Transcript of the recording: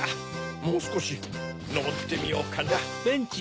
もうすこしのぼってみようかな。